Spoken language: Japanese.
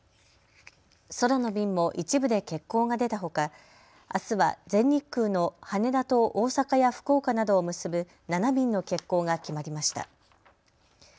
空の便も一部で欠航が出たほかあすは全日空の羽田と大阪や福岡などを結ぶ７便の欠航が決まりました。